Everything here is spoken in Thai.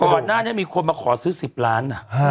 โกรธน่ะเนี่ยมีคนมาขอซื้อ๑๐ล้าน